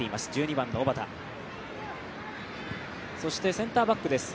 センターバックです